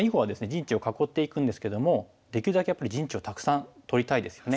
陣地を囲っていくんですけどもできるだけやっぱり陣地をたくさん取りたいですよね。